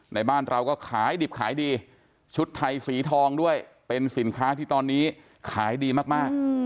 ในบ้านเราก็ขายดิบขายดีชุดไทยสีทองด้วยเป็นสินค้าที่ตอนนี้ขายดีมาก